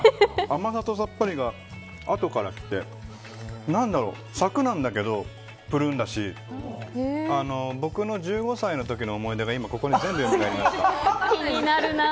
甘さとさっぱりがあとからきて何だろう、サクッなんだけどぷるんだし僕の１５歳の時の思い出が全部、ここに浮かびました。